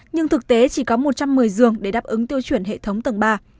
nhưng thực tế chỉ có một trăm một mươi giường để đáp ứng tiêu chuẩn hệ thống tầng ba